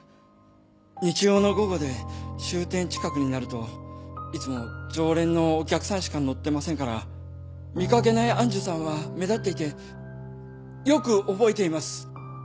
日曜の午後で終点近くになるといつも常連のお客さんしか乗ってませんから見掛けない愛珠さんは目立っていてよく覚えています。